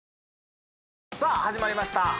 さあ始まりました